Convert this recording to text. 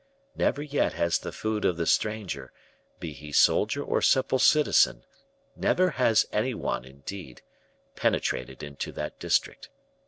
Never yet has the food of the stranger, be he soldier or simple citizen, never has any one, indeed, penetrated into that district.